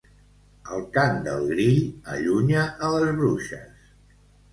El cant del grill allunya a les bruixes.